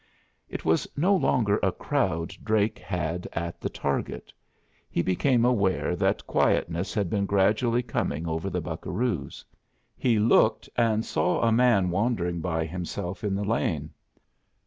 It was no longer a crowd Drake had at the target. He became aware that quietness had been gradually coming over the buccaroos. He looked, and saw a man wandering by himself in the lane.